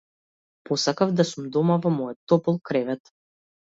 Посакав да сум дома во мојот топол кревет.